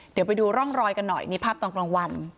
เดี๋ยวไปดูร่องรอยกันหน่อยนี่ภาพตอนกลางวัน